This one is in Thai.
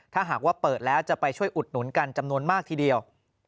ถ้าหากว่าเปิดแล้วจะไปช่วยอุดหนุนกันจำนวนมากทีเดียว